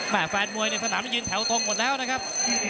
แฟนมวยในสนามได้ยินแถวตรงหมดแล้วนะครับ